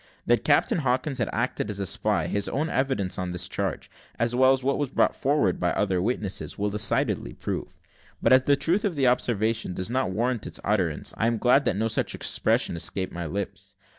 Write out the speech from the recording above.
That Captain Hawkins had acted as a spy, his own evidence on this charge, as well as that brought forward by other witnesses, will decidedly prove; but as the truth of the observation does not warrant its utterance, I am glad that no such expression escaped my lips.